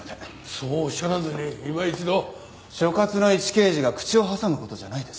そうおっしゃらずに今一度。所轄の一刑事が口を挟む事じゃないです。